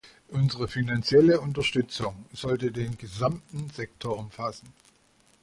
Unsere finanzielle Unterstützung sollte den gesamten Sektor umfassen.